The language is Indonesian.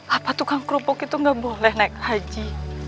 apa tukang kerupuk itu nggak boleh naik haji